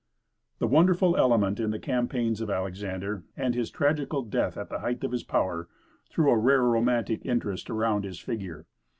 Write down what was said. The wonderful element in the campaigns of Alexander, and his tragical death at the height of his power, threw a rare romantic interest around his figure.